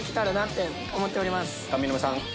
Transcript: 上沼さん。